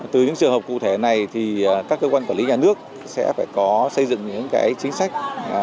từ những trường hợp cụ thể này thì các cơ quan quản lý nhà nước sẽ phải có xây dựng những chính sách